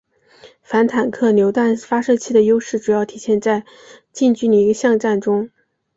反坦克榴弹发射器的优势主要体现在近距离巷战中。